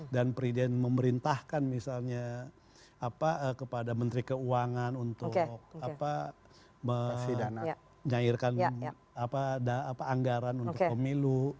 dan presiden memerintahkan misalnya kepada menteri keuangan untuk menyairkan anggaran untuk pemilu